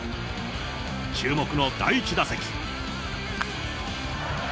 注目の第１打席。